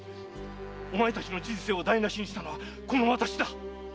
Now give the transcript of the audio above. お前たちの人生を台無しにしたのはこの私だ〕